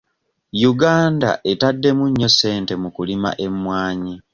Uganda etaddemu nnyo ssente mu kulima emmwanyi.